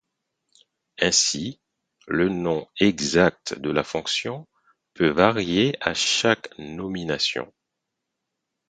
Ainsi, le nom exact de la fonction peut varier à chaque nomination.